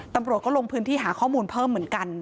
ตำรวจก็ลงพื้นที่หาข้อมูลเพิ่มเหมือนกัน